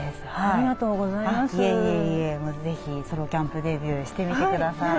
いえいえいえ是非ソロキャンプデビューしてみてください。